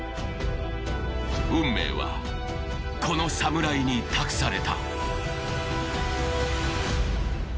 運命は、この侍に託された。